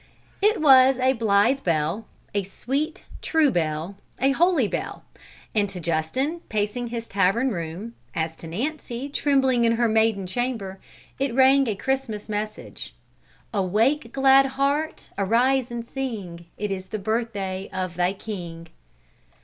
It was a blithe bell, a sweet, true bell, a holy bell, and to Justin, pacing his tavern room, as to Nancy, trembling in her maiden chamber, it rang a Christmas message: Awake, glad heart! Arise and sing; It is the birthday of thy King!